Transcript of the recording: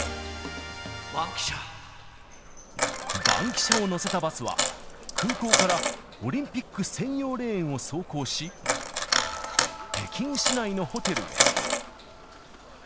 バンキシャを乗せたバスは、空港からオリンピック専用レーンを走行し、北京市内のホテルへ。